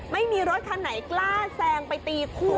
ไม่มีรถคันไหนกล้าแซงไปตีคู่